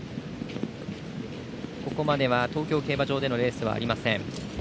ここまでは東京競馬場でのレースはありません。